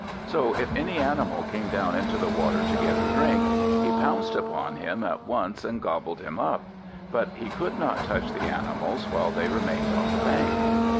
So if any animal came down into the water to get a drink, he pounced upon him at once and gobbled him up; but he could not touch the animals while they remained on the bank.